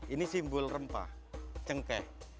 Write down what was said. ini simbol rempah cengkeh